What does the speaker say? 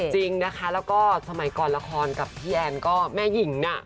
จริงนะคะแล้วก็สมัยก่อนละครกับพี่แอนก็แม่หญิงน่ะ